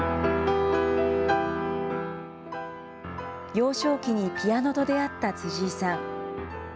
幼少期にピアノと出会った辻井さん。